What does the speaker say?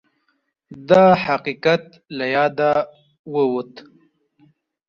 دا حقیقت له یاده ووت